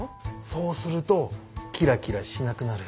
そうするとキラキラしなくなる。